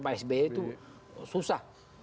pak sba itu susah